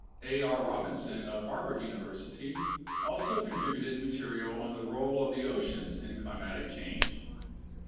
A. R. Robinson of Harvard University also contributed material on the role of the oceans in climatic change.